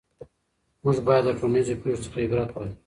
موږ باید له ټولنیزو پېښو څخه عبرت واخلو.